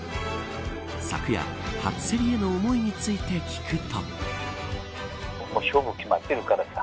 昨夜、初競りへの思いについて聞くと。